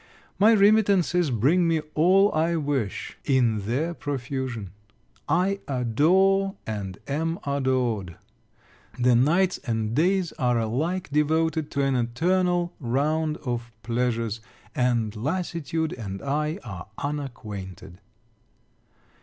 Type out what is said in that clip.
My remittances bring me all I wish, in their profusion. I adore, and am adored; the nights and days are alike devoted to an eternal round of pleasures; and lassitude and I are unacquainted.